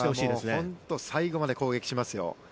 本当に最後まで攻撃しますよ。